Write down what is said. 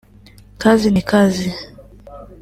Kazi ni Kazi